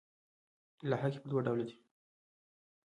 لاحقې پر دوه ډوله دي.